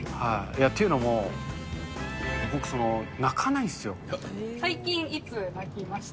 っていうのも、僕、泣かない最近、いつ泣きました？